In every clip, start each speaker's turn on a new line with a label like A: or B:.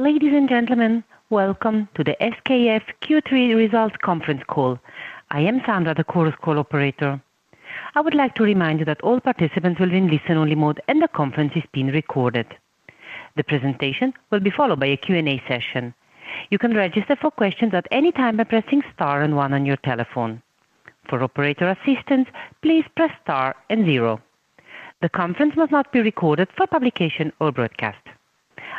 A: Ladies and gentlemen, welcome to the SKF Q3 Results conference call. I am Sandra, the conference call operator. I would like to remind you that all participants will be in listen-only mode, and the conference is being recorded. The presentation will be followed by a Q&A session. You can register for questions at any time by pressing star and one on your telephone. For operator assistance, please press star and zero. The conference must not be recorded for publication or broadcast.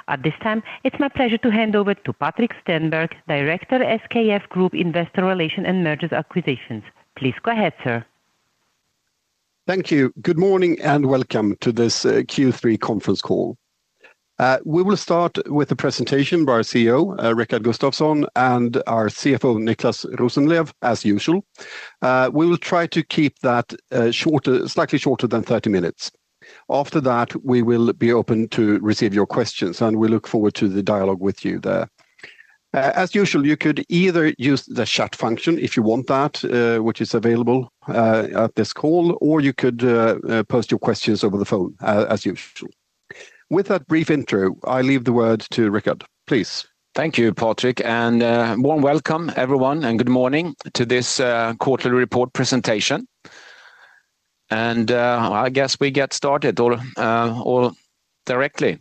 A: At this time, it's my pleasure to hand over to Patrik Stenberg, Director of Investor Relations and Mergers & Acquisitions, SKF Group. Please go ahead, sir.
B: Thank you. Good morning, and welcome to this Q3 conference call. We will start with a presentation by our CEO Rickard Gustafson and our CFO Niclas Rosenlew, as usual. We will try to keep that shorter, slightly shorter than 30 minutes. After that, we will be open to receive your questions, and we look forward to the dialogue with you there. As usual, you could either use the chat function if you want that, which is available at this call, or you could post your questions over the phone, as usual. With that brief intro, I leave the word to Rickard. Please.
C: Thank you, Patrik and warm welcome everyone and good morning to this quarterly report presentation. I guess we get started all directly.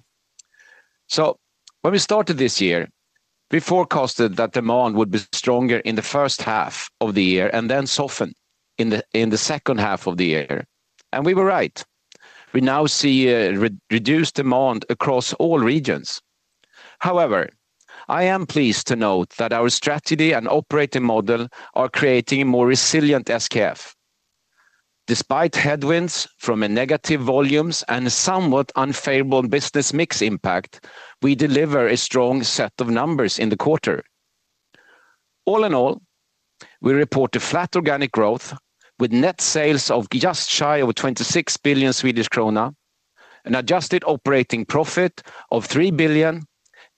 C: So when we started this year, we forecasted that demand would be stronger in the first half of the year and then soften in the second half of the year, and we were right. We now see a reduced demand across all regions. However, I am pleased to note that our strategy and operating model are creating a more resilient SKF. Despite headwinds from a negative volumes and somewhat unfavorable business mix impact, we deliver a strong set of numbers in the quarter. All in all, we report a flat organic growth with net sales of just shy of 26 billion Swedish krona, an adjusted operating profit of 3 billion,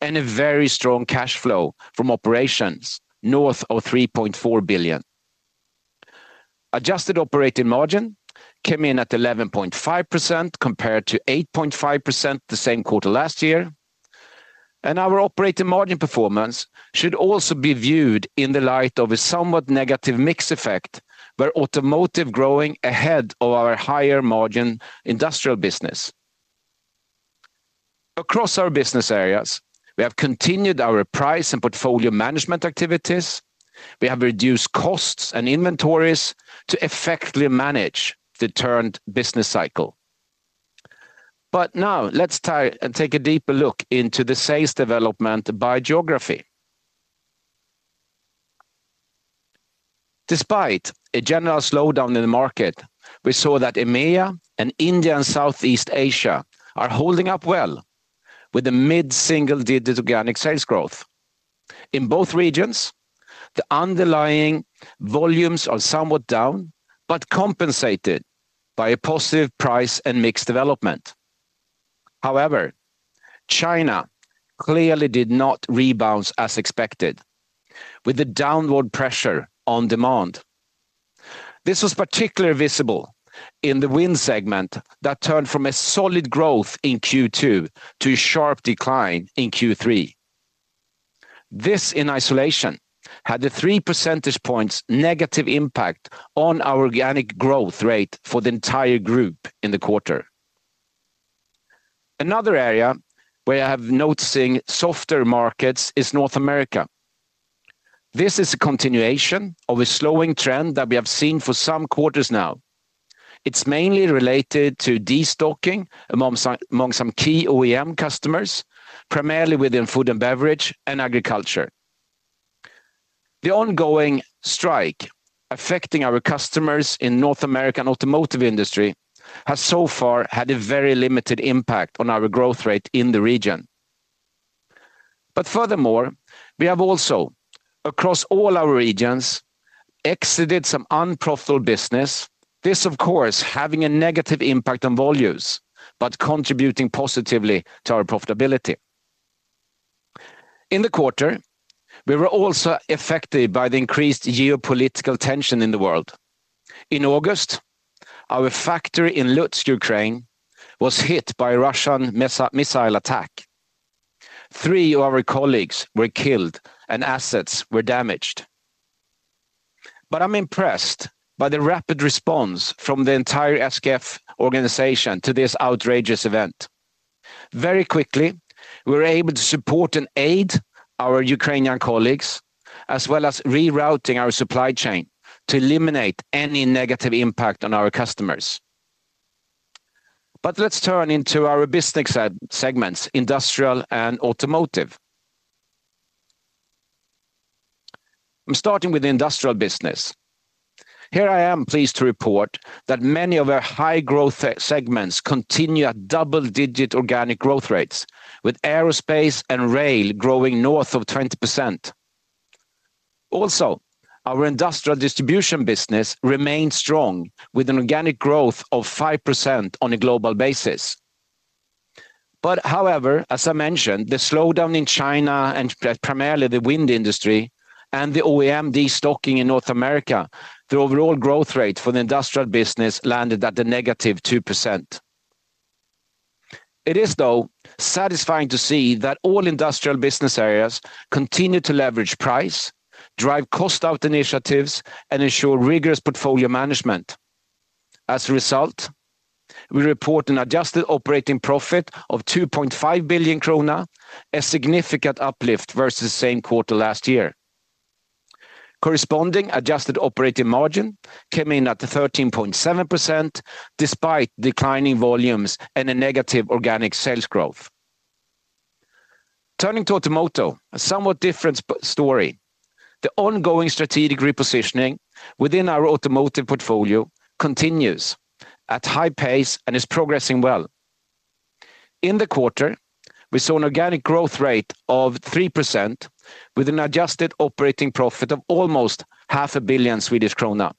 C: and a very strong cash flow from operations, north of 3.4 billion. Adjusted operating margin came in at 11.5%, compared to 8.5% the same quarter last year. And our operating margin performance should also be viewed in the light of a somewhat negative mix effect, where automotive growing ahead of our higher margin industrial business. Across our business areas, we have continued our price and portfolio management activities. We have reduced costs and inventories to effectively manage the turned business cycle. But now, let's take a deeper look into the sales development by geography. Despite a general slowdown in the market, we saw that EMEA and India and Southeast Asia are holding up well, with a mid-single-digit organic sales growth. In both regions, the underlying volumes are somewhat down, but compensated by a positive price and mix development. However, China clearly did not rebalance as expected, with the downward pressure on demand. This was particularly visible in the wind segment that turned from a solid growth in Q2 to a sharp decline in Q3. This, in isolation, had a three percentage points negative impact on our organic growth rate for the entire group in the quarter. Another area where I have noticing softer markets is North America. This is a continuation of a slowing trend that we have seen for some quarters now. It's mainly related to destocking among some key OEM customers, primarily within food and beverage and agriculture. The ongoing strike affecting our customers in North American automotive industry has so far had a very limited impact on our growth rate in the region. But furthermore, we have also, across all our regions, exited some unprofitable business. This, of course, having a negative impact on volumes, but contributing positively to our profitability. In the quarter, we were also affected by the increased geopolitical tension in the world. In August, our factory in Lutsk, Ukraine, was hit by a Russian missile attack. Three of our colleagues were killed and assets were damaged. But I'm impressed by the rapid response from the entire SKF organization to this outrageous event. Very quickly, we were able to support and aid our Ukrainian colleagues, as well as rerouting our supply chain to eliminate any negative impact on our customers. But let's turn into our business segments, industrial and automotive. I'm starting with the industrial business. Here, I am pleased to report that many of our high-growth segments continue at double-digit organic growth rates, with aerospace and rail growing north of 20%. Also, our industrial distribution business remains strong, with an organic growth of 5% on a global basis. But however, as I mentioned, the slowdown in China and primarily the wind industry and the OEM destocking in North America, the overall growth rate for the industrial business landed at -2%. It is, though, satisfying to see that all industrial business areas continue to leverage price, drive cost out initiatives, and ensure rigorous portfolio management. As a result, we report an adjusted operating profit of 2.5 billion krona, a significant uplift versus the same quarter last year. Corresponding adjusted operating margin came in at 13.7%, despite declining volumes and a negative organic sales growth. Turning to automotive, a somewhat different story. The ongoing strategic repositioning within our automotive portfolio continues at high pace and is progressing well. In the quarter, we saw an organic growth rate of 3% with an adjusted operating profit of almost 500 million Swedish krona.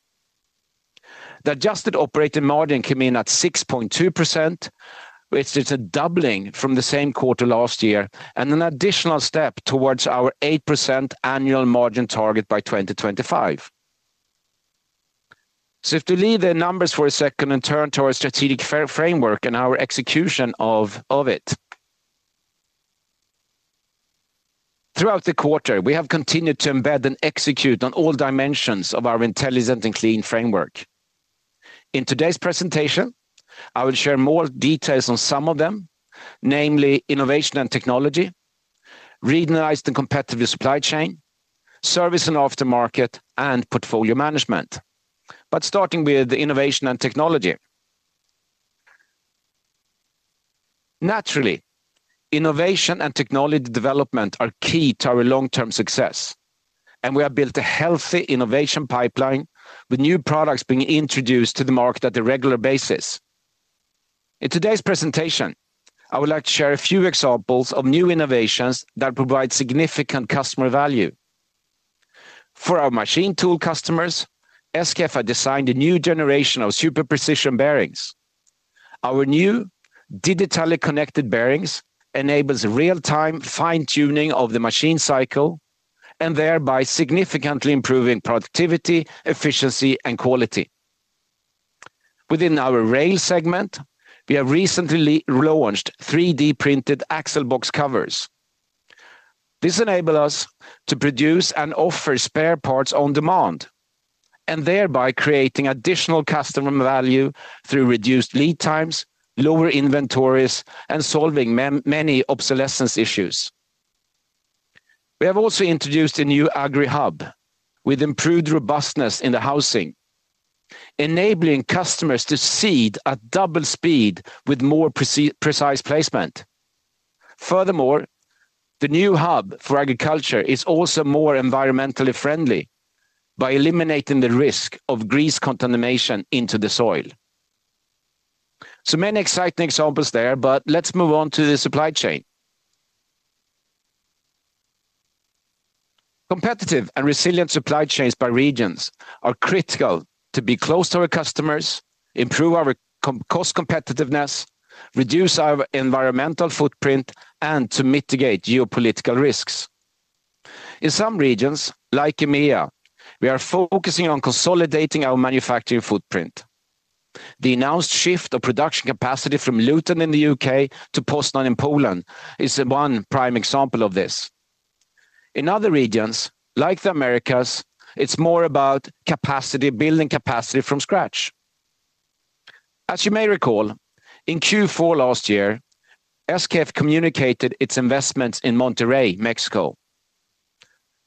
C: The adjusted operating margin came in at 6.2%, which is a doubling from the same quarter last year, and an additional step towards our 8% annual margin target by 2025. So if to leave the numbers for a second and turn to our strategic framework and our execution of it. Throughout the quarter, we have continued to embed and execute on all dimensions of our Intelligent and Clean. In today's presentation, I will share more details on some of them, namely innovation and technology, regionalized and competitive supply chain, service and aftermarket, and portfolio management, but starting with innovation and technology. Naturally, innovation and technology development are key to our long-term success, and we have built a healthy innovation pipeline, with new products being introduced to the market at a regular basis. In today's presentation, I would like to share a few examples of new innovations that provide significant customer value. For our machine tool customers, SKF have designed a new generation of super-precision bearings. Our new digitally connected bearings enables real-time fine-tuning of the machine cycle, and thereby significantly improving productivity, efficiency, and quality. Within our rail segment, we have recently launched 3D printed axle box covers. This enables us to produce and offer spare parts on demand, and thereby creating additional customer value through reduced lead times, lower inventories, and solving many obsolescence issues. We have also introduced a new Agri Hub with improved robustness in the housing, enabling customers to seed at double speed with more precise placement. Furthermore, the new hub for agriculture is also more environmentally friendly by eliminating the risk of grease contamination into the soil. So many exciting examples there, but let's move on to the supply chain. Competitive and resilient supply chains by regions are critical to be close to our customers, improve our cost competitiveness, reduce our environmental footprint, and to mitigate geopolitical risks. In some regions, like EMEA, we are focusing on consolidating our manufacturing footprint. The announced shift of production capacity from Luton in the UK to Poznań in Poland is one prime example of this. In other regions, like the Americas, it's more about capacity, building capacity from scratch. As you may recall, in Q4 last year, SKF communicated its investments in Monterrey, Mexico,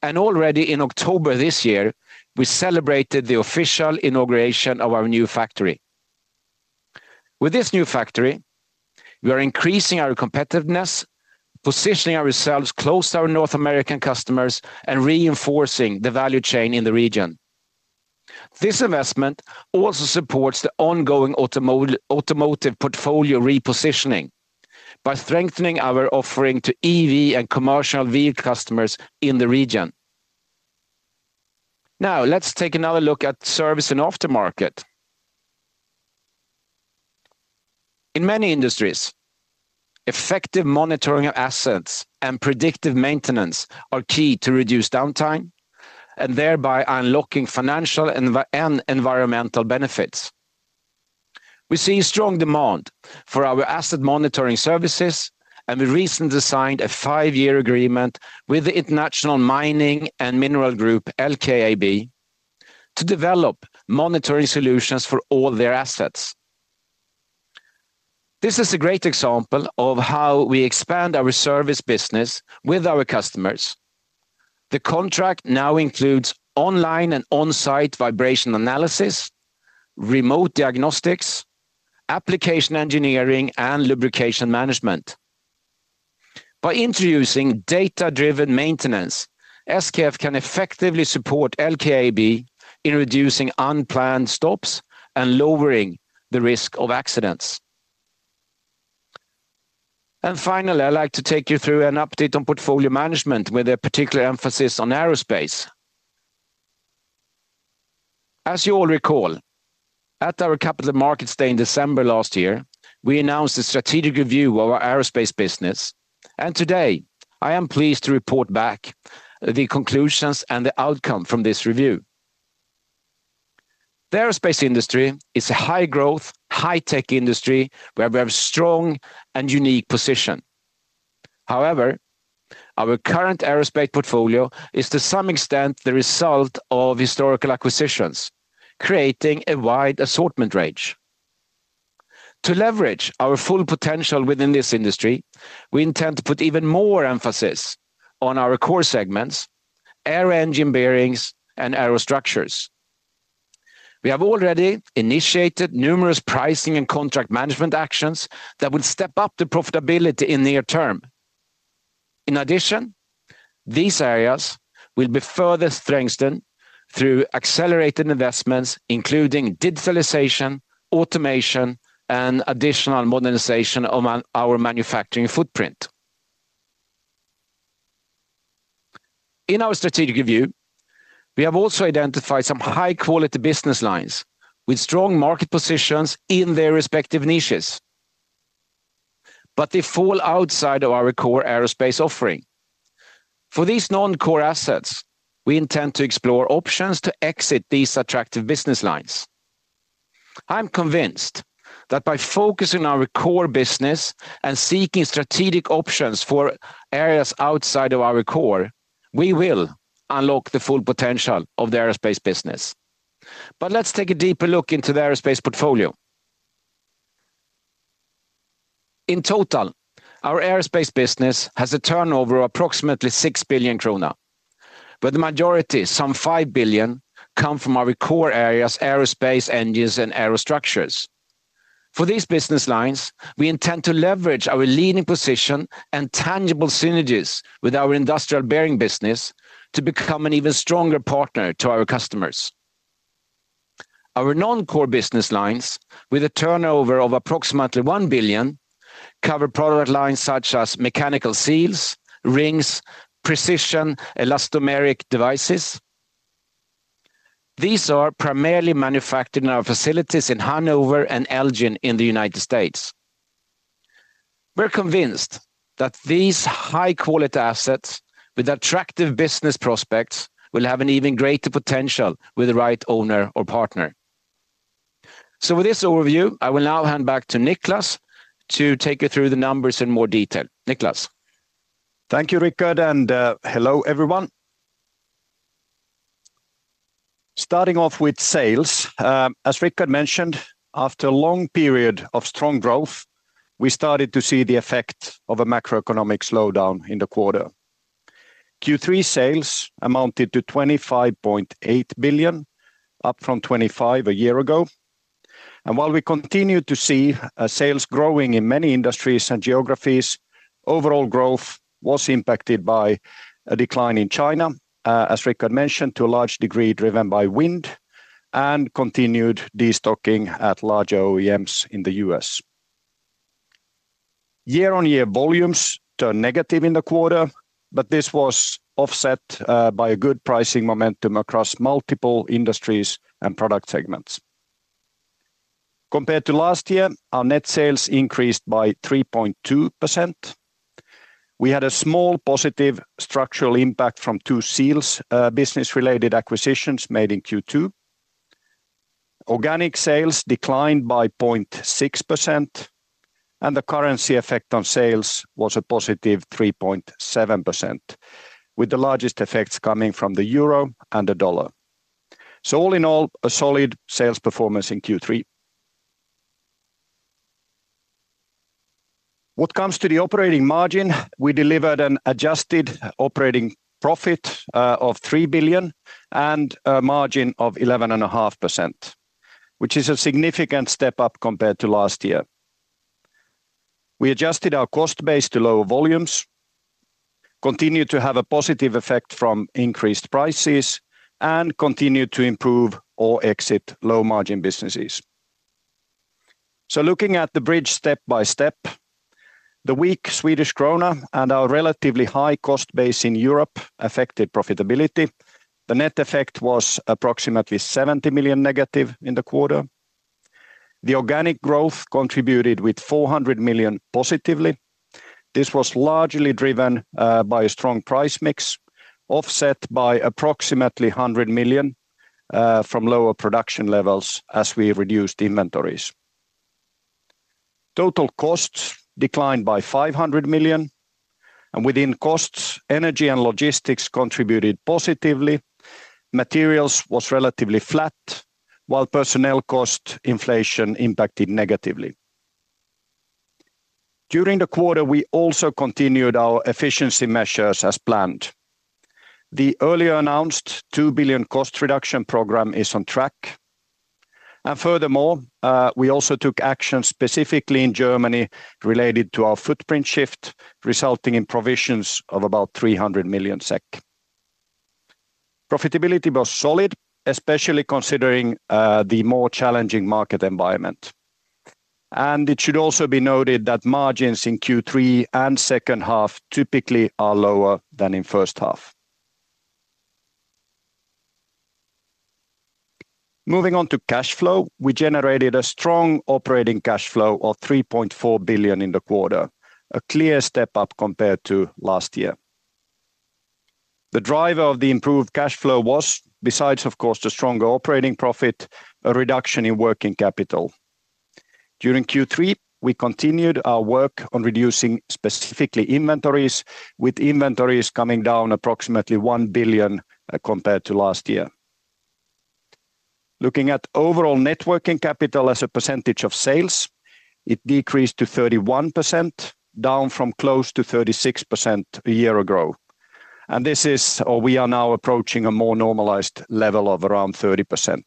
C: and already in October this year, we celebrated the official inauguration of our new factory. With this new factory, we are increasing our competitiveness, positioning ourselves close to our North American customers, and reinforcing the value chain in the region. This investment also supports the ongoing automotive portfolio repositioning by strengthening our offering to EV and commercial vehicle customers in the region. Now, let's take another look at service and aftermarket. In many industries, effective monitoring of assets and predictive maintenance are key to reduce downtime, and thereby unlocking financial and environmental benefits. We see strong demand for our asset monitoring services, and we recently signed a five-year agreement with the International Mining and Mineral Group, LKAB, to develop monitoring solutions for all their assets. This is a great example of how we expand our service business with our customers. The contract now includes online and on-site vibration analysis, remote diagnostics, application engineering, and lubrication management. By introducing data-driven maintenance, SKF can effectively support LKAB in reducing unplanned stops and lowering the risk of accidents. Finally, I'd like to take you through an update on portfolio management with a particular emphasis on aerospace. As you all recall, at our Capital Markets Day in December last year, we announced a strategic review of our aerospace business, and today I am pleased to report back the conclusions and the outcome from this review. The aerospace industry is a high growth, high tech industry, where we have a strong and unique position. However, our current aerospace portfolio is, to some extent, the result of historical acquisitions, creating a wide assortment range. To leverage our full potential within this industry, we intend to put even more emphasis on our core segments: Aero engine bearings and Aerostructures. We have already initiated numerous pricing and contract management actions that will step up the profitability in near term. In addition, these areas will be further strengthened through accelerated investments, including digitalization, automation, and additional modernization among our manufacturing footprint. In our strategic review, we have also identified some high-quality business lines with strong market positions in their respective niches, but they fall outside of our core aerospace offering. For these non-core assets, we intend to explore options to exit these attractive business lines. I'm convinced that by focusing on our core business and seeking strategic options for areas outside of our core, we will unlock the full potential of the aerospace business. But let's take a deeper look into the aerospace portfolio. In total, our aerospace business has a turnover of approximately 6 billion krona, but the majority, some 5 billion, come from our core areas, aerospace engines, and Aerostructures. For these business lines, we intend to leverage our leading position and tangible synergies with our industrial bearing business to become an even stronger partner to our customers. Our non-core business lines, with a turnover of approximately 1 billion, cover product lines such as mechanical seals, rings, Precision Elastomeric Devices. These are primarily manufactured in our facilities in Hanover and Elgin in the United States. We're convinced that these high-quality assets with attractive business prospects will have an even greater potential with the right owner or partner. So with this overview, I will now hand back to Niclas to take you through the numbers in more detail. Niclas?
D: Thank you, Rickard, and hello, everyone. Starting off with sales, as Rickard mentioned, after a long period of strong growth, we started to see the effect of a macroeconomic slowdown in the quarter. Q3 sales amounted to 25.8 billion, up from 25 a year ago. And while we continue to see sales growing in many industries and geographies, overall growth was impacted by a decline in China, as Rickard mentioned, to a large degree, driven by wind and continued destocking at large OEMs in the US. Year-on-year volumes turned negative in the quarter, but this was offset by a good pricing momentum across multiple industries and product segments. Compared to last year, our net sales increased by 3.2%. We had a small positive structural impact from two seals business-related acquisitions made in Q2. Organic sales declined by 0.6%, and the currency effect on sales was a positive 3.7%, with the largest effects coming from the euro and the dollar. So all in all, a solid sales performance in Q3. What comes to the operating margin, we delivered an adjusted operating profit of 3 billion and a margin of 11.5%, which is a significant step up compared to last year. We adjusted our cost base to lower volumes, continued to have a positive effect from increased prices, and continued to improve or exit low-margin businesses. So looking at the bridge step by step, the weak Swedish krona and our relatively high cost base in Europe affected profitability. The net effect was approximately SEK 70 million negative in the quarter. The organic growth contributed with 400 million positively. This was largely driven by a strong price mix, offset by approximately 100 million from lower production levels as we reduced inventories. Total costs declined by 500 million, and within costs, energy and logistics contributed positively, materials was relatively flat, while personnel cost inflation impacted negatively. During the quarter, we also continued our efficiency measures as planned. The earlier announced 2 billion cost reduction program is on track. And furthermore, we also took action specifically in Germany related to our footprint shift, resulting in provisions of about 300 million SEK. Profitability was solid, especially considering the more challenging market environment.... And it should also be noted that margins in Q3 and second half typically are lower than in first half. Moving on to cash flow, we generated a strong operating cash flow of 3.4 billion in the quarter, a clear step up compared to last year. The driver of the improved cash flow was, besides, of course, the stronger operating profit, a reduction in working capital. During Q3, we continued our work on reducing specifically inventories, with inventories coming down approximately 1 billion compared to last year. Looking at overall net working capital as a percentage of sales, it decreased to 31%, down from close to 36% a year ago. And this is, or we are now approaching a more normalized level of around 30%.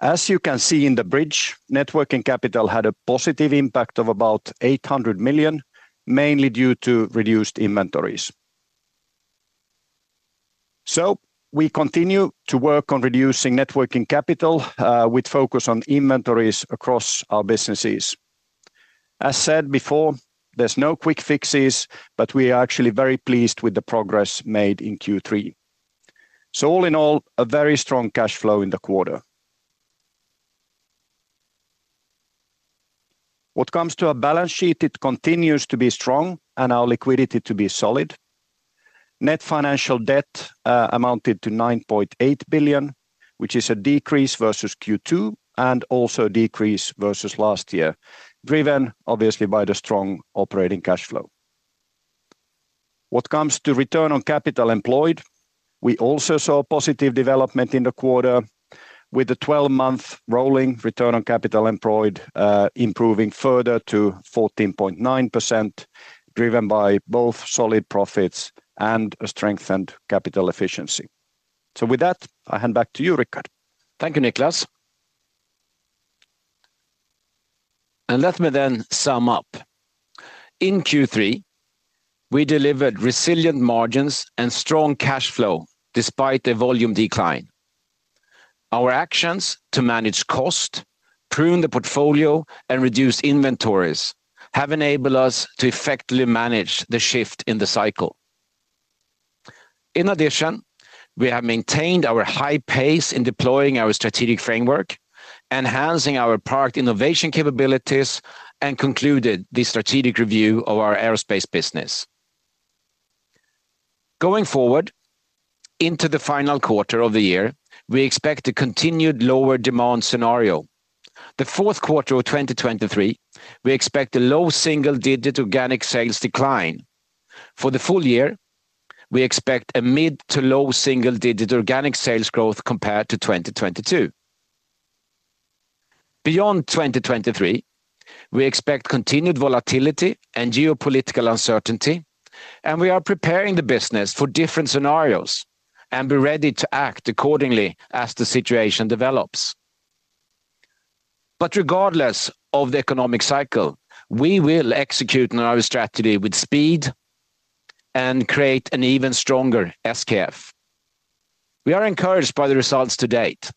D: As you can see in the bridge, net working capital had a positive impact of about 800 million, mainly due to reduced inventories. So we continue to work on reducing net working capital, with focus on inventories across our businesses. As said before, there's no quick fixes, but we are actually very pleased with the progress made in Q3. So all in all, a very strong cash flow in the quarter. What comes to our balance sheet, it continues to be strong and our liquidity to be solid. Net financial debt amounted to 9.8 billion, which is a decrease versus Q2 and also a decrease versus last year, driven obviously by the strong operating cash flow. What comes to return on capital employed, we also saw a positive development in the quarter, with the 12-month rolling return on capital employed improving further to 14.9%, driven by both solid profits and a strengthened capital efficiency. So with that, I hand back to you, Rickard.
C: Thank you, Niclas. Let me then sum up. In Q3, we delivered resilient margins and strong cash flow despite the volume decline. Our actions to manage cost, prune the portfolio, and reduce inventories have enabled us to effectively manage the shift in the cycle. In addition, we have maintained our high pace in deploying our strategic framework, enhancing our product innovation capabilities, and concluded the strategic review of our aerospace business. Going forward, into the final quarter of the year, we expect a continued lower demand scenario. The fourth quarter of 2023, we expect a low single-digit organic sales decline. For the full year, we expect a mid- to low single-digit organic sales growth compared to 2022. Beyond 2023, we expect continued volatility and geopolitical uncertainty, and we are preparing the business for different scenarios and be ready to act accordingly as the situation develops. But regardless of the economic cycle, we will execute on our strategy with speed and create an even stronger SKF. We are encouraged by the results to date,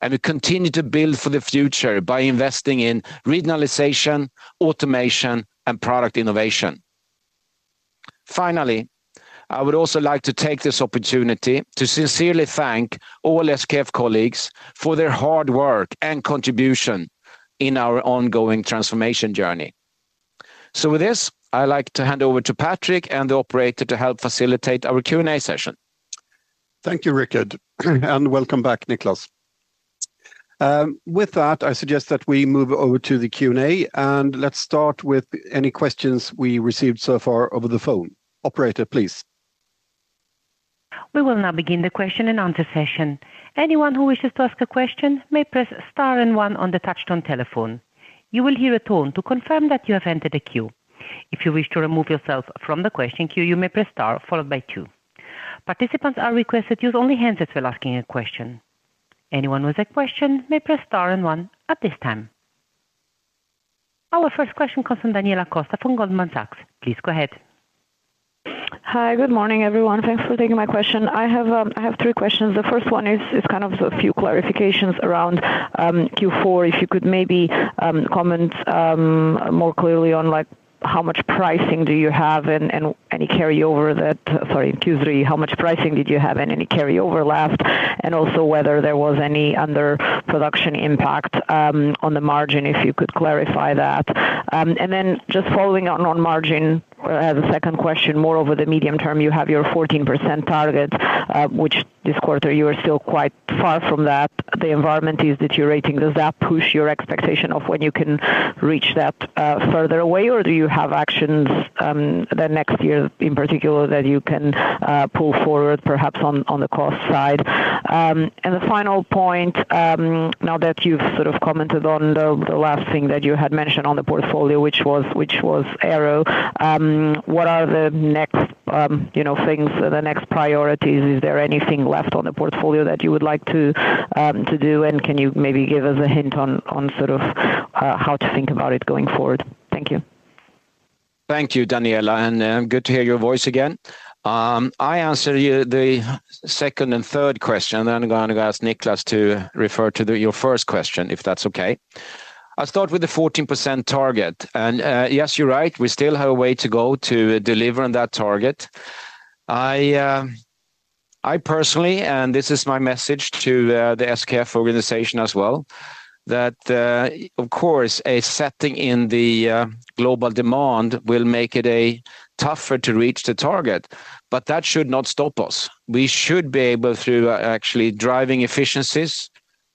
C: and we continue to build for the future by investing in regionalization, automation, and product innovation. Finally, I would also like to take this opportunity to sincerely thank all SKF colleagues for their hard work and contribution in our ongoing transformation journey. So with this, I'd like to hand over to Patrik and the operator to help facilitate our Q&A session.
B: Thank you, Rickard, and welcome back, Niclas. With that, I suggest that we move over to the Q&A, and let's start with any questions we received so far over the phone. Operator, please.
A: We will now begin the question and answer session. Anyone who wishes to ask a question may press star and one on the touchtone telephone. You will hear a tone to confirm that you have entered a queue. If you wish to remove yourself from the question queue, you may press star followed by two. Participants are requested to use only hands that were asking a question. Anyone with a question may press star and one at this time. Our first question comes from Daniela Costa from Goldman Sachs. Please go ahead.
E: Hi. Good morning, everyone. Thanks for taking my question. I have three questions. The first one is kind of a few clarifications around Q4. If you could maybe comment more clearly on, like, how much pricing do you have and any carryover that—Sorry, Q3, how much pricing did you have and any carryover left, and also whether there was any underproduction impact on the margin, if you could clarify that. And then just following on margin as a second question, more over the medium term, you have your 14% target, which this quarter you are still quite far from that. The environment is deteriorating. Does that push your expectation of when you can reach that further away, or do you have actions that next year in particular that you can pull forward, perhaps on on the cost side? And the final point, now that you've sort of commented on the the last thing that you had mentioned on the portfolio, which was which was Aero, what are the next you know things, the next priorities? Is there anything left on the portfolio that you would like to to do? And can you maybe give us a hint on on sort of how to think about it going forward? Thank you.
C: Thank you, Daniela, and good to hear your voice again. I answer you the second and third question then I'm going to ask Niclas to refer to the your first question if that's okay. I'll start with the 14% target and yes, you're right we still have a way to go to deliver on that target. I, I personally and this is my message to the SKF organization as well that of course a setting in the global demand will make it a tougher to reach the target but that should not stop us. We should be able through actually driving efficiencies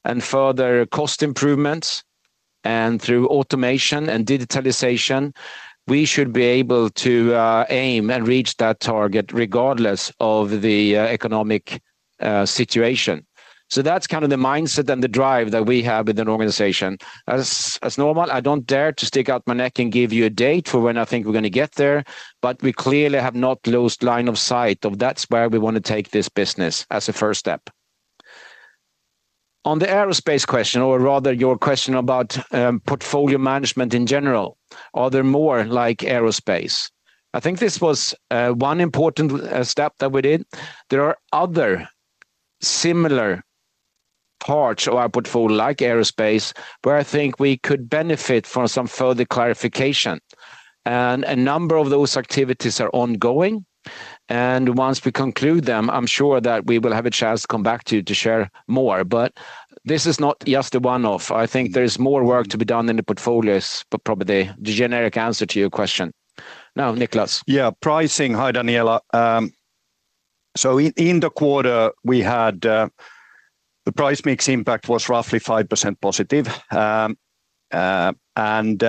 C: and further cost improvements and through automation and digitalization we should be able to, aim and reach that target regardless of the economic situation. So that's kind of the mindset and the drive that we have in an organization. As normal, I don't dare to stick out my neck and give you a date for when I think we're going to get there, but we clearly have not lost line of sight of that's where we want to take this business as a first step. On the aerospace question, or rather, your question about portfolio management in general, are there more like aerospace? I think this was one important step that we did. There are other similar parts of our portfolio, like aerospace, where I think we could benefit from some further clarification. And a number of those activities are ongoing, and once we conclude them, I'm sure that we will have a chance to come back to you to share more. But this is not just a one-off. I think there is more work to be done in the portfolios, but probably the generic answer to your question. Now, Niclas.
D: Yeah, pricing. Hi Daniela. So in the quarter we had the price mix impact was roughly 5% positive. And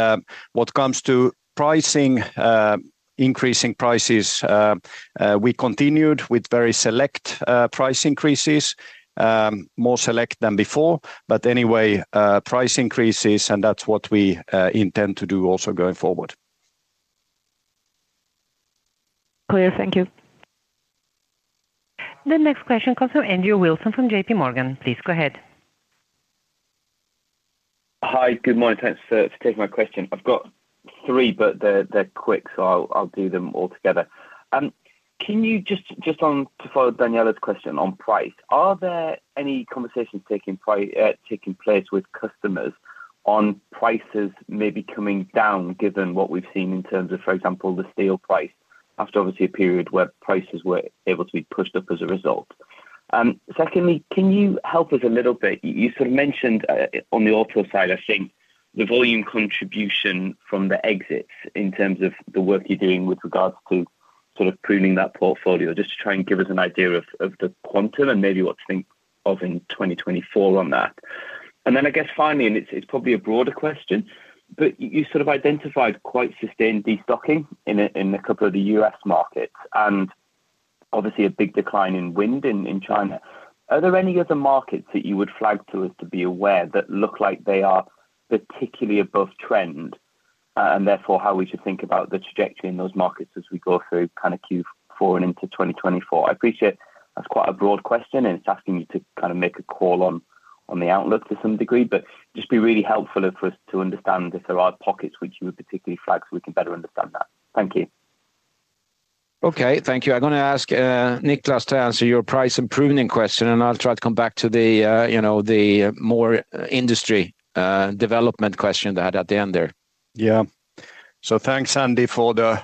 D: what comes to pricing, increasing prices, we continued with very select price increases, more select than before, but anyway, price increases, and that's what we intend to do also going forward.
E: Clear. Thank you.
A: The next question comes from Andrew Wilson from J.P. Morgan. Please go ahead.
F: Hi. Good morning. Thanks for taking my question. I've got three, but they're quick, so I'll do them all together. Can you just on to follow Daniela's question on price, are there any conversations taking place with customers on prices may be coming down, given what we've seen in terms of, for example, the steel price, after obviously a period where prices were able to be pushed up as a result? Secondly, can you help us a little bit, you sort of mentioned on the auto side, I think, the volume contribution from the exits in terms of the work you're doing with regards to sort of pruning that portfolio, just to try and give us an idea of the quantum and maybe what to think of in 2024 on that. And then I guess finally, and it's probably a broader question, but you sort of identified quite sustained destocking in a couple of the U.S. markets, and obviously a big decline in wind in China. Are there any other markets that you would flag to us to be aware that look like they are particularly above trend, and therefore, how we should think about the trajectory in those markets as we go through kind of Q4 and into 2024? I appreciate that's quite a broad question, and it's asking you to kind of make a call on the outlook to some degree, but just be really helpful for us to understand if there are pockets which you would particularly flag so we can better understand that. Thank you.
C: Okay. Thank you. I'm gonna ask, Niclas, to answer your price and pruning question, and I'll try to come back to the, you know, the more industry development question that I had at the end there.
D: Yeah. So thanks, Andy, for the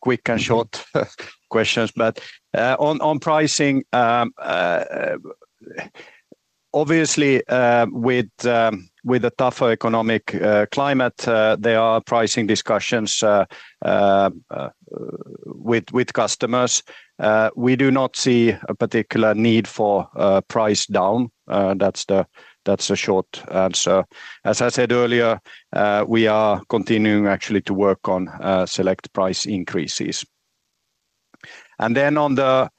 D: quick and short questions. But on pricing, obviously, with the tougher economic climate, there are pricing discussions with customers. We do not see a particular need for price down. That's the short answer. As I said earlier, we are continuing actually to work on select price increases. And then on the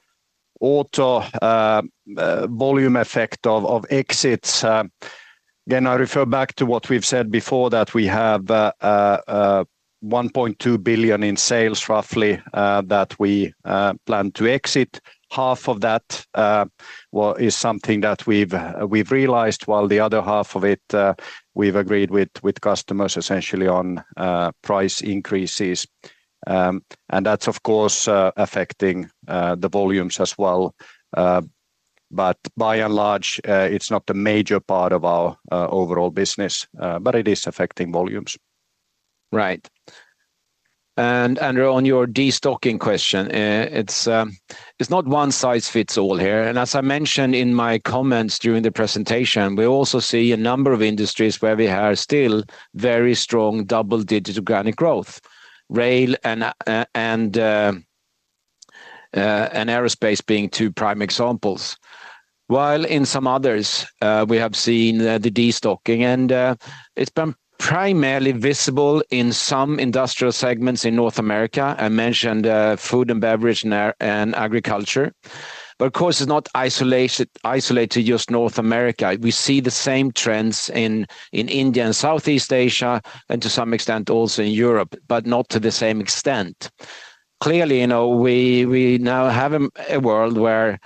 D: auto volume effect of exits, again, I refer back to what we've said before, that we have 1.2 billion in sales, roughly, that we plan to exit. Half of that, well, is something that we've realized, while the other half of it, we've agreed with customers, essentially on price increases. That's of course affecting the volumes as well. By and large it's not a major part of our overall business but it is affecting volumes.
C: Right. And Andrew, on your destocking question, it's not one-size-fits-all here. And as I mentioned in my comments during the presentation, we also see a number of industries where we have still very strong double-digit organic growth. Rail and aerospace being two prime examples. While in some others, we have seen the destocking, and it's been primarily visible in some industrial segments in North America. I mentioned food and beverage and air, and agriculture, but of course, it's not isolated to just North America. We see the same trends in India and Southeast Asia, and to some extent also in Europe, but not to the same extent. Clearly, you know, we now have a world where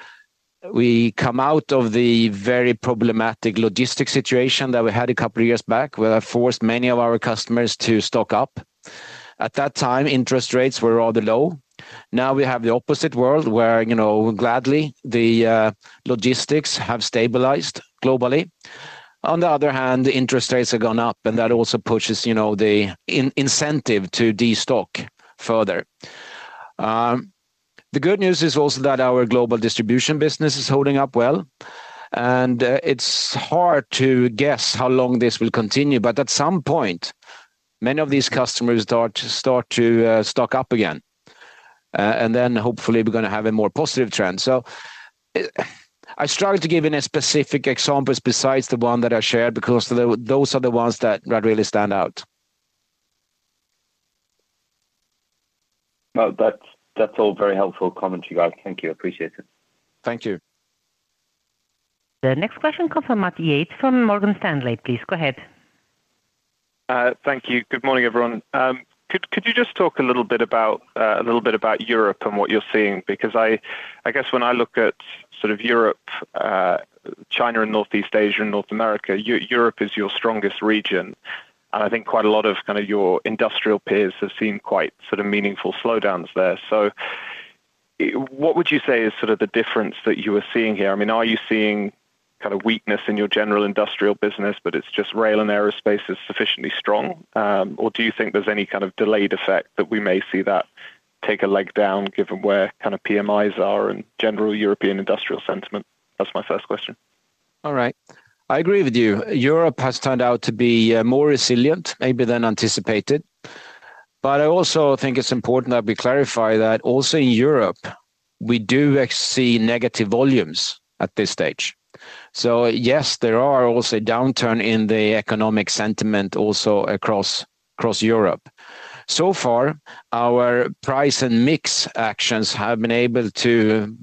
C: we come out of the very problematic logistics situation that we had a couple of years back, where I forced many of our customers to stock up. At that time, interest rates were rather low. Now we have the opposite world, where, you know, gladly, the logistics have stabilized globally. On the other hand, the interest rates have gone up, and that also pushes, you know, the incentive to destock further. The good news is also that our global distribution business is holding up well, and it's hard to guess how long this will continue, but at some point, many of these customers start to stock up again. And then hopefully we're gonna have a more positive trend. So I struggled to give any specific examples besides the one that I shared, because the, those are the ones that, that really stand out.
F: Well, that's that's all very helpful comments, you guys. Thank you. Appreciate it.
C: Thank you.
A: The next question comes from Max Yates from Morgan Stanley. Please go ahead.
G: Thank you. Good morning, everyone. Could, could you just talk a little bit about a little bit about Europe and what you're seeing? Because I guess when I look at sort of Europe, China and Northeast Asia, and North America, Europe is your strongest region, and I think quite a lot of kind of your industrial peers have seen quite sort of meaningful slowdowns there. So, what would you say is sort of the difference that you are seeing here? I mean, are you seeing kind of weakness in your general industrial business, but it's just rail and aerospace is sufficiently strong, or do you think there's any kind of delayed effect that we may see that take a leg down, given where kind of PMIs are and general European industrial sentiment? That's my first question.
C: All right. I agree with you. Europe has turned out to be more resilient, maybe than anticipated, but I also think it's important that we clarify that also in Europe, we do see negative volumes at this stage. So yes, there are also a downturn in the economic sentiment also across Europe. So far, our price and mix actions have been able to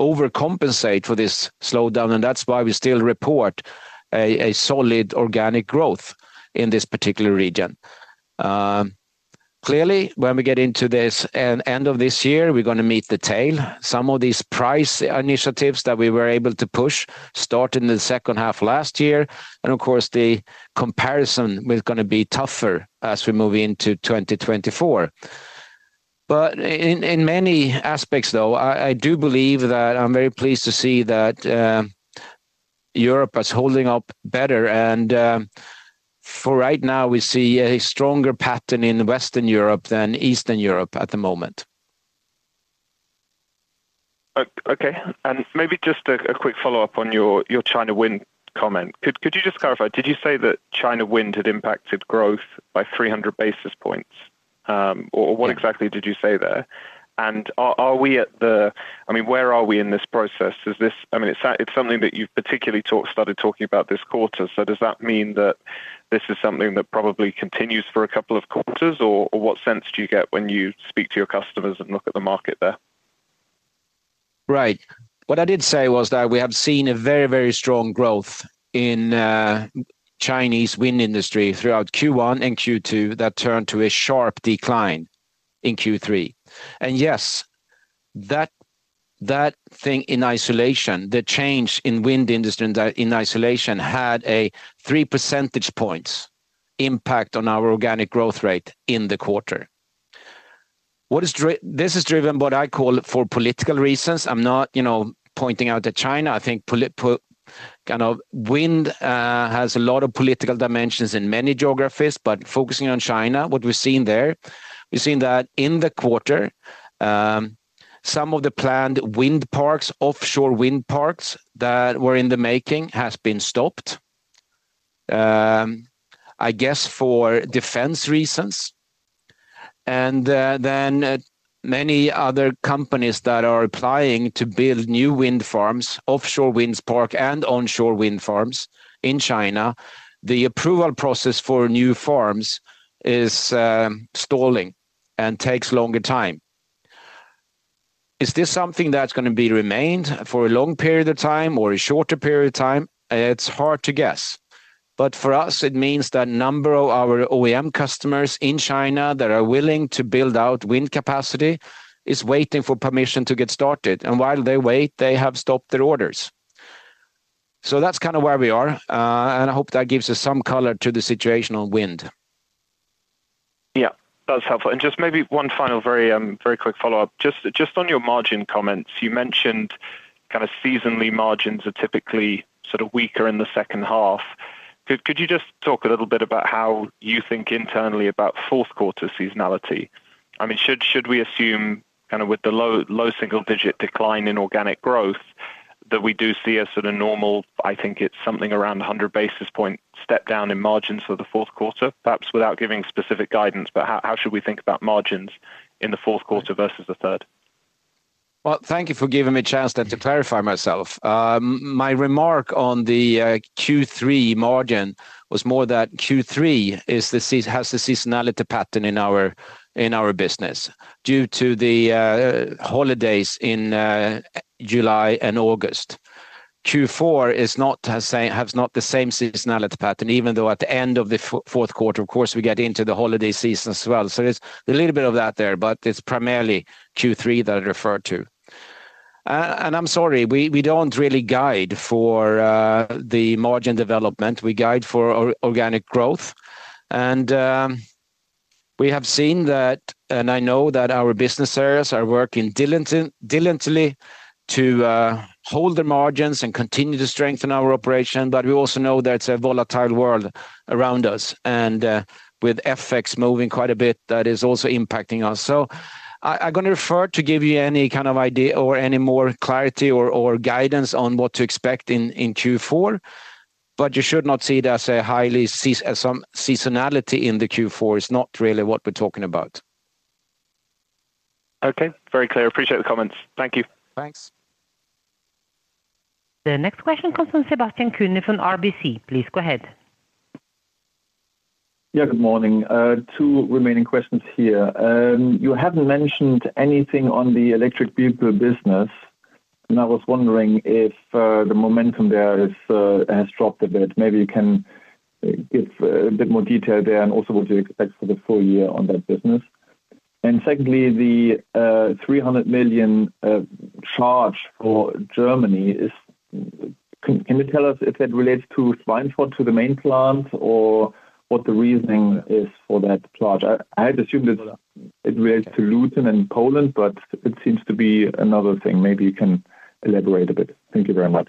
C: overcompensate for this slowdown, and that's why we still report a solid organic growth in this particular region. Clearly, when we get into the end of this year, we're gonna meet the tail. Some of these price initiatives that we were able to push started in the second half last year, and of course, the comparison is gonna be tougher as we move into 2024. In many aspects, though, I do believe that I'm very pleased to see that Europe is holding up better, and for right now, we see a stronger pattern in Western Europe than Eastern Europe at the moment.
G: Okay, and maybe just a quick follow-up on your China wind comment. Could you just clarify, did you say that China wind had impacted growth by 300 basis points? Or what exactly did you say there? And are we at the—I mean, where are we in this process? Is this... I mean, it's something that you've particularly talked, started talking about this quarter. So does that mean that this is something that probably continues for a couple of quarters, or what sense do you get when you speak to your customers and look at the market there?
C: Right. What I did say was that we have seen a very, very strong growth in Chinese wind industry throughout Q1 and Q2 that turned to a sharp decline in Q3. And yes, that thing in isolation, the change in wind industry in isolation had a 3 percentage points impact on our organic growth rate in the quarter. This is driven what I call it for political reasons. I'm not, you know, pointing out to China. I think kind of wind has a lot of political dimensions in many geographies, but focusing on China what we've seen there, we've seen that in the quarter some of the planned wind parks offshore wind parks that were in the making, has been stopped, I guess for defense reasons. Then many other companies that are applying to build new wind farms, offshore wind parks and onshore wind farms in China, the approval process for new farms is stalling and takes longer time. Is this something that's gonna be remained for a long period of time or a shorter period of time? It's hard to guess, but for us, it means that number of our OEM customers in China that are willing to build out wind capacity is waiting for permission to get started and while they wait they have stopped their orders. So that's kind of where we are, and I hope that gives us some color to the situation on wind.
G: Yeah, that's helpful. And just maybe one final very very quick follow-up. Just on your margin comments, you mentioned kind of seasonally margins are typically sort of weaker in the second half. Could you just talk a little bit about how you think internally about fourth quarter seasonality? I mean, should we assume kind of with the low single digit decline in organic growth, that we do see a sort of normal, I think it's something around 100 basis point, step down in margins for the fourth quarter? Perhaps without giving specific guidance, but how should we think about margins in the fourth quarter versus the third?
C: Well, thank you for giving me a chance then to clarify myself. My remark on the Q3 margin was more that Q3 has the seasonality pattern in our business due to the holidays in July and August. Q4 is not the same, has not the same seasonality pattern, even though at the end of the fourth quarter, of course, we get into the holiday season as well. So there's a little bit of that there, but it's primarily Q3 that I referred to. And I'm sorry, we don't really guide for the margin development. We guide for organic growth. And we have seen that, and I know that our business areas are working diligently to hold the margins and continue to strengthen our operation. But we also know that it's a volatile world around us, and with FX moving quite a bit, that is also impacting us. So I'm gonna refer to give you any kind of idea or any more clarity or guidance on what to expect in Q4. But you should not see it as a highly seas-- as some seasonality in the Q4; it is not really what we're talking about.
G: Okay, very clear. Appreciate the comments. Thank you.
C: Thanks.
A: The next question comes from Sebastian Kuenne from RBC. Please go ahead.
H: Yeah, good morning. Two remaining questions here. You haven't mentioned anything on the electric vehicle business, and I was wondering if the momentum there is has dropped a bit. Maybe you can give a bit more detail there, and also what you expect for the full year on that business. And secondly, the 300 million charge for Germany is. Can you tell us if that relates to Schweinfurt, to the main plant, or what the reasoning is for that charge? I had assumed it relates to Luton and Poland, but it seems to be another thing. Maybe you can elaborate a bit. Thank you very much.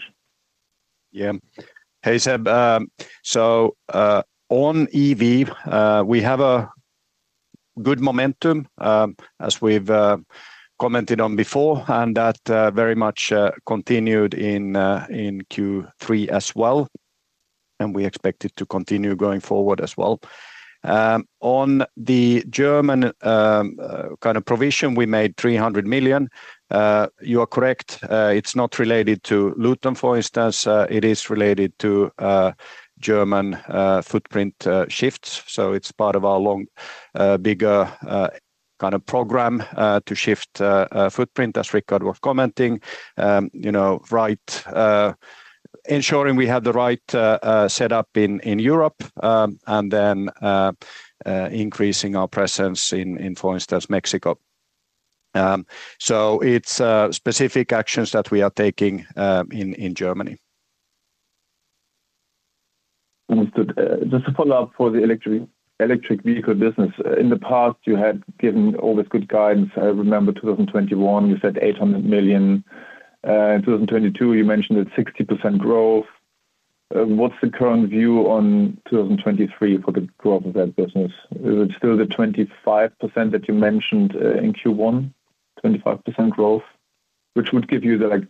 C: Yeah. Hey, Seb, so on EV, we have a good momentum, as we've commented on before, and that very much continued in Q3 as well, and we expect it to continue going forward as well. On the German kind of provision, we made 300 million. You are correct, it's not related to Luton, for instance. It is related to German footprint shifts. So it's part of our long bigger kind of program to shift footprint, as Rickard was commenting. You know, right, ensuring we have the right set up in Europe, and then increasing our presence in, for instance, Mexico. So it's specific actions that we are taking in Germany.
H: Understood. Just a follow-up for the electric, electric vehicle business. In the past, you had given all this good guidance. I remember 2021, you said 800 million. In 2022, you mentioned that 60% growth. What's the current view on 2023 for the growth of that business? Is it still the 25% that you mentioned in Q1, 25% growth, which would give you the, like,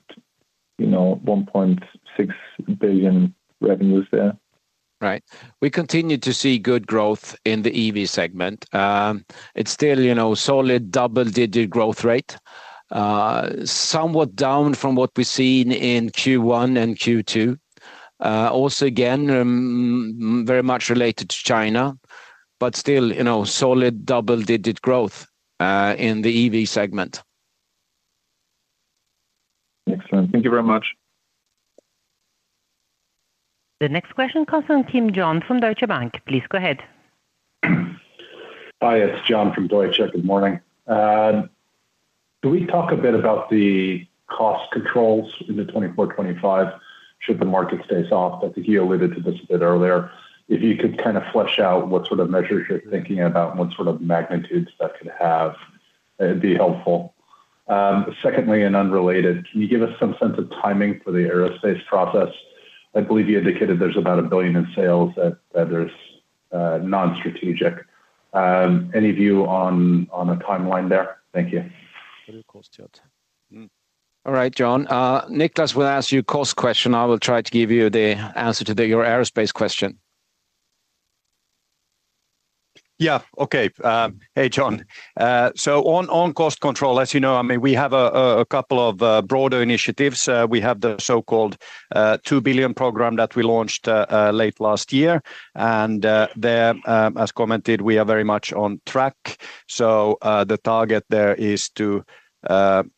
H: you know, 1.6 billion revenues there?
C: Right. We continue to see good growth in the EV segment. It's still, you know, solid double-digit growth rate. Somewhat down from what we've seen in Q1 and Q2. Also, again, very much related to China, but still, you know, solid double-digit growth in the EV segment.
H: Excellent. Thank you very much.
A: The next question comes from John Kim from Deutsche Bank. Please go ahead.
I: Hi, it's John from Deutsche. Good morning. Can we talk a bit about the cost controls in 2024, 2025, should the market stay soft? I think you alluded to this a bit earlier. If you could kind of flesh out what sort of measures you're thinking about and what sort of magnitudes that could have, it'd be helpful. Secondly, and unrelated, can you give us some sense of timing for the aerospace process? I believe you indicated there's about 1 billion in sales that, that there's non-strategic. Any view on, on a timeline there? Thank you.
C: All right, John. Niclas will ask you cost question. I will try to give you the answer to the, your aerospace question.
D: Yeah. Okay, hey, John. So on, on cost control, as you know, I mean, we have a, a couple of broader initiatives. We have the so-called, two billion program that we launched, late last year. And, there, as commented, we are very much on track. So, the target there is to,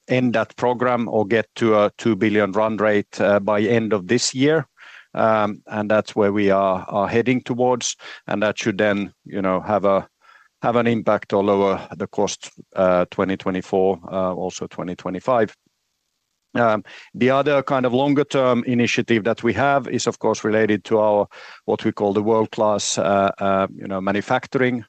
D: end that program or get to a two billion run rate, by end of this year. And that's where we are, are heading towards, and that should then, you know, have a, have an impact or lower the cost, 2024, also 2025. The other kind of longer-term initiative that we have is, of course, related to our, what we call the world-class, you know, manufacturing,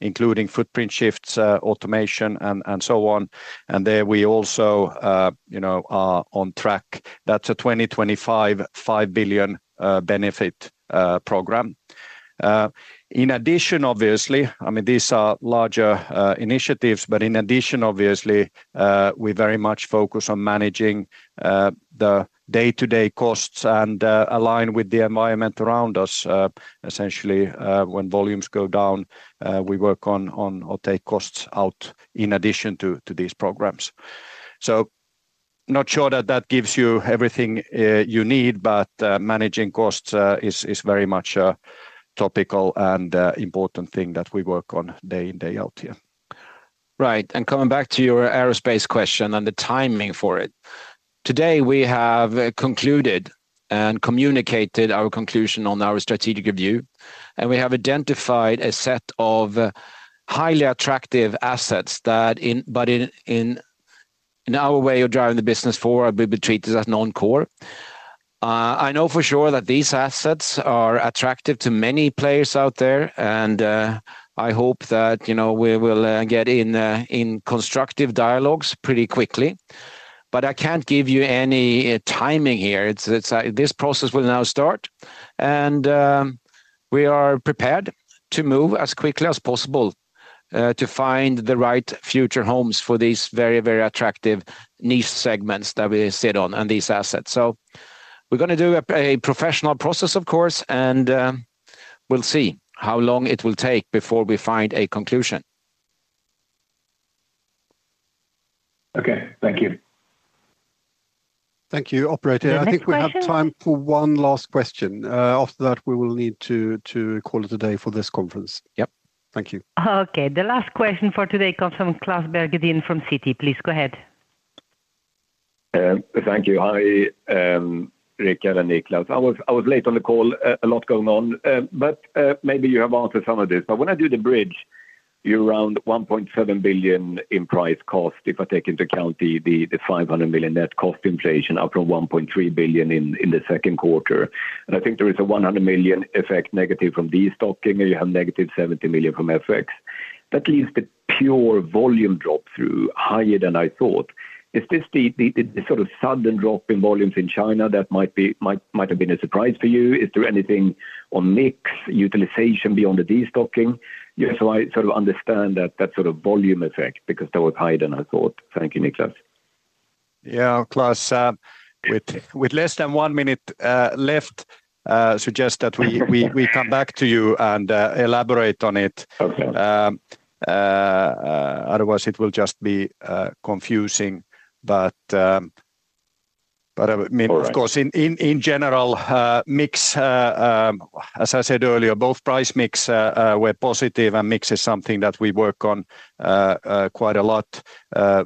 D: including footprint shifts, automation, and, and so on. And there we also, you know, are on track. That's a 2025, 5 billion benefit program. In addition, obviously, I mean, these are larger initiatives, but in addition, obviously, we very much focus on managing the day-to-day costs and align with the environment around us. Essentially, when volumes go down, we work on or take costs out in addition to these programs. So not sure that that gives you everything you need, but managing costs is very much a topical and important thing that we work on day in, day out here.
C: Right, and coming back to your aerospace question and the timing for it. Today, we have concluded and communicated our conclusion on our strategic review, and we have identified a set of highly attractive assets, but in our way of driving the business forward, we will treat this as non-core. I know for sure that these assets are attractive to many players out there, and I hope that, you know, we will get in constructive dialogues pretty quickly. But I can't give you any timing here. This process will now start, and we are prepared to move as quickly as possible to find the right future homes for these very, very attractive niche segments that we sit on and these assets. We're gonna do a professional process, of course, and we'll see how long it will take before we find a conclusion.
F: Okay, thank you.
D: Thank you, operator.
A: The next question-
D: I think we have time for one last question. After that, we will need to call it a day for this conference.
C: Yep.
D: Thank you.
A: Okay, the last question for today comes from Klas Bergelind from Citi. Please go ahead.
J: Thank you. Hi, Rickard and Niclas. I was late on the call, a lot going on, but maybe you have answered some of this. When I do the bridge, you're around 1.7 billion in price cost, if I take into account the 500 million net cost inflation up from 1.3 billion in the second quarter. And I think there is a 100 million effect negative from destocking, and you have negative 70 million from FX. That leaves the pure volume drop through higher than I thought. Is this the sort of sudden drop in volumes in China that might have been a surprise for you? Is there anything on mix utilization beyond the destocking? Just so I sort of understand that, that sort of volume effect, because that was higher than I thought. Thank you, Niclas.
D: Yeah, Klas, with less than one minute left, suggest that we come back to you and elaborate on it.
J: Okay.
D: Otherwise it will just be confusing. But I mean-
J: All right...
D: of course, in general, mix, as I said earlier, both price mix were positive, and mix is something that we work on quite a lot.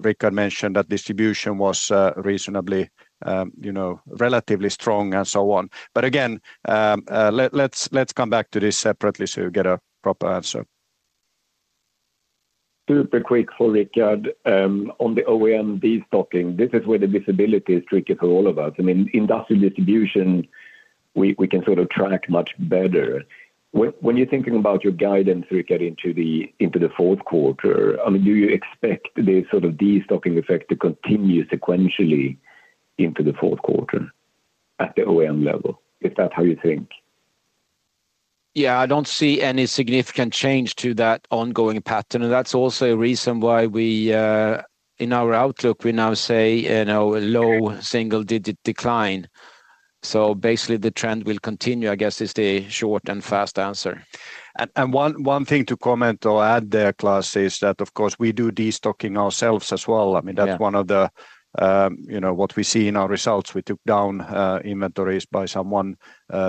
D: Rickard mentioned that distribution was reasonably, you know, relatively strong, and so on. But again, let's come back to this separately so you get a proper answer.
J: Super quick for Rickard. On the OEM destocking, this is where the visibility is tricky for all of us. I mean, industrial distribution, we can sort of track much better. When you're thinking about your guidance, Rickard, into the fourth quarter, I mean, do you expect the sort of destocking effect to continue sequentially into the fourth quarter at the OEM level? Is that how you think?
C: Yeah, I don't see any significant change to that ongoing pattern, and that's also a reason why we, in our outlook, we now say, you know, a low single-digit decline. So basically, the trend will continue, I guess, is the short and fast answer.
D: And one thing to comment or add there Klas, is that of course we do destocking ourselves as well.
C: Yeah.
D: I mean, that's one of the, you know, what we see in our results. We took down inventories by some 1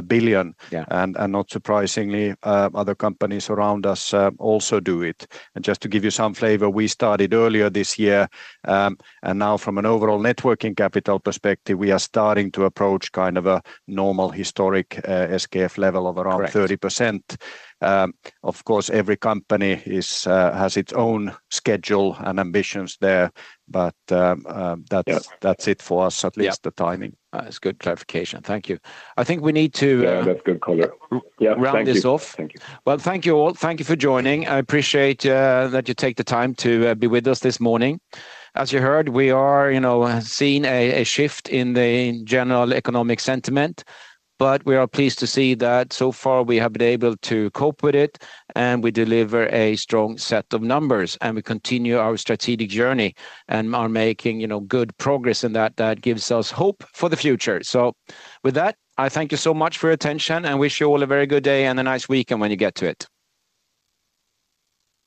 D: billion.
C: Yeah.
D: Not surprisingly, other companies around us also do it. Just to give you some flavor, we started earlier this year, and now from an overall net working capital perspective, we are starting to approach kind of a normal historic SKF level of around-
C: Correct...
D: 30%. Of course, every company is, has its own schedule and ambitions there but,
J: Yeah...
D: that's, that's it for us, at least the timing.
C: Yeah. That's good clarification. Thank you. I think we need to,
J: Yeah, that's good color. Yeah, thank you
C: round this off.
J: Thank you.
C: Well, thank you, all. Thank you for joining. I appreciate that you take the time to be with us this morning. As you heard, we are, you know, seeing a shift in the general economic sentiment, but we are pleased to see that so far we have been able to cope with it, and we deliver a strong set of numbers, and we continue our strategic journey and are making, you know, good progress, and that gives us hope for the future. So with that, I thank you so much for your attention and wish you all a very good day and a nice weekend when you get to it.